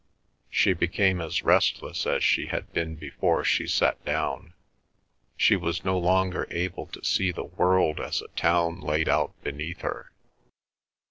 She became as restless as she had been before she sat down. She was no longer able to see the world as a town laid out beneath her.